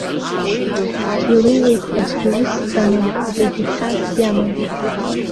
Илеиуеит, аӡәгьы усс дамам, акагьы хьаас иамам!